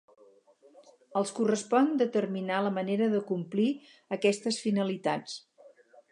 Els correspon determinar la manera d'acomplir aquestes finalitats.